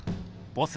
ボス